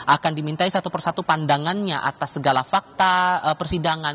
akan dimintai satu persatu pandangannya atas segala fakta persidangan